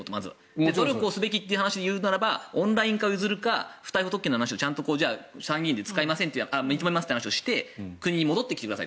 努力をすべきという話でいうならオンライン化するか不逮捕特権でちゃんと参議院で使いませんという話をして国に戻ってきてくださいと。